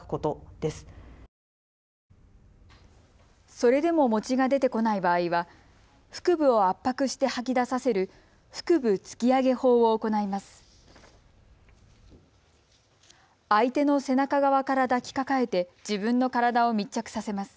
それでも餅が出てこない場合は腹部を圧迫して吐き出させる腹部突き上げ法を行います。